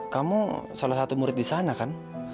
kamu salah satu murid disana kan